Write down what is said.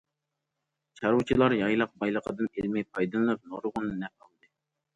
چارۋىچىلار يايلاق بايلىقىدىن ئىلمىي پايدىلىنىپ نۇرغۇن نەپ ئالدى.